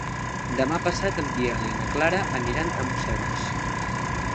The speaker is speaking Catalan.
Demà passat en Biel i na Clara aniran a Museros.